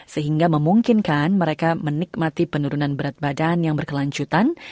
sehingga memungkinkan mereka menikmati penurunan berat badan yang berkelanjutan